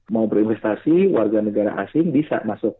mau berinvestasi warga negara asing bisa masuk